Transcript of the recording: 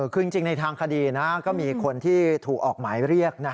คือจริงในทางคดีก็มีคนที่ถูกออกหมายเรียก